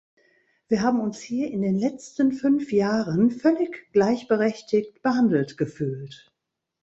Wir haben uns hier in den letzten fünf Jahren völlig gleichberechtigt behandelt gefühlt.